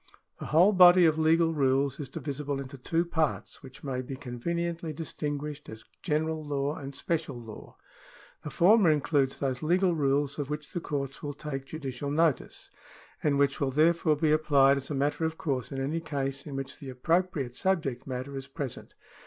The whole body of legal rules is divisible into two parts, which may bo conveniently distinguished as General law and Special law. The former includes those legal rules of which the courts will take judicial notice, and which will therefore be applied as a matter of course in any case in which the appropriate subject matter is present.